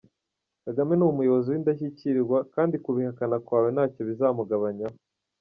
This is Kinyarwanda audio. Kagame numuyobozi windashyikirwa kandi kubihakana kwawe ntacyo bizamugabanyaho.